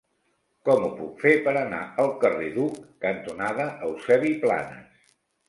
Com ho puc fer per anar al carrer Duc cantonada Eusebi Planas?